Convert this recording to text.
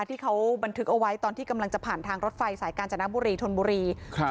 ที่เขาบันทึกเอาไว้ตอนที่กำลังจะผ่านทางรถไฟสายกาญจนบุรีธนบุรีครับ